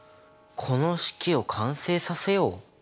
この式を完成させよう？